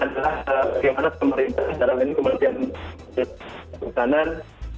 dan bagaimana pemerintah secara lain kemudian kemudian kemudian kemudian kemudian kemudian